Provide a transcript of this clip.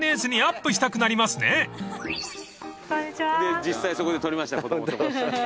実際そこで撮りました子供と。